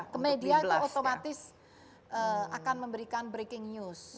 ke media itu otomatis akan memberikan breaking news